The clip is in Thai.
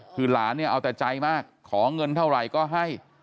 คือหลานเนี่ยเอาแต่ใจมากขอเงินเท่าไหร่ก็ให้